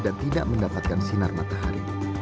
dan tidak mendapatkan sinar matahari